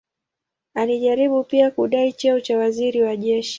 Alijaribu pia kudai cheo cha waziri wa jeshi.